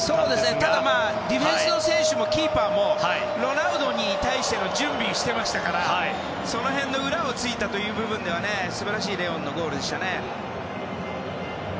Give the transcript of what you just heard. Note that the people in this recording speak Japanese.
ただディフェンスの選手もキーパーもロナウドに対しての準備をしていましたからその辺の裏を突いたという部分で素晴らしいレオンのゴールでしたね。